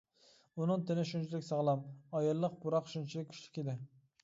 ئۇنىڭ تېنى شۇنچىلىك ساغلام، ئاياللىق پۇراق شۇنچىلىك كۈچلۈك ئىدى.